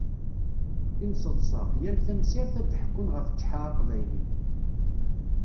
Timseḍṣa, yal tamsirt ad d-ḥekkun ɣef Ǧeḥḥa aqbayli.